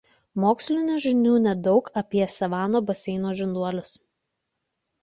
Mokslinių žinių ne daug apie Sevano baseino žinduolius.